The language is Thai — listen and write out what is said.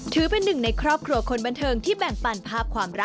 ถือเป็นหนึ่งในครอบครัวคนบันเทิงที่แบ่งปันภาพความรัก